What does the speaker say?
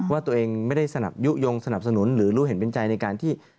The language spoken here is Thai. ว่าตัวเองไม่ได้สนับยุโยงสนับสนุนหรือรู้เห็นเป็นใจในการที่